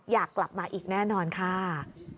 อยากกลับมาอีกแน่นอนค่ะ